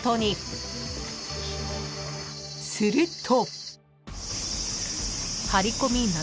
［すると］